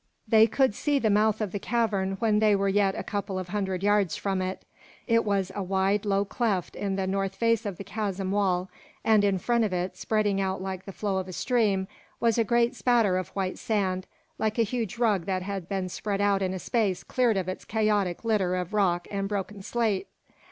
They could see the mouth of the cavern when they were yet a couple of hundred yards from it. It was a wide, low cleft in the north face of the chasm wall, and in front of it, spreading out like the flow of a stream, was a great spatter of white sand, like a huge rug that had been spread out in a space cleared of its chaotic litter of rock and broken slate.